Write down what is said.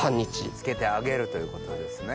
漬けてあげるということですね。